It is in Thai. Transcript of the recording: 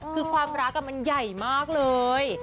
คือความรักมันใหญ่มากเลย